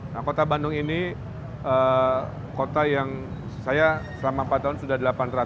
nah kota bandung ini kota yang saya selama empat tahun sudah delapan ratus